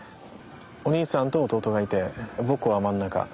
お兄さんと弟がいて僕は真ん中。